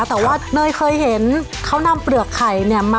แต่ว่าเนยเคยเห็นเขานำเปลือกไข่เนี่ย